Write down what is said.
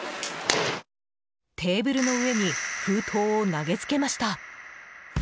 テーブルの上に封筒を投げつけました。